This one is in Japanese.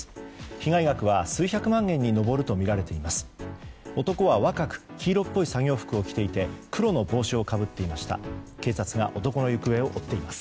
被害額は数百万円に上るとみられています。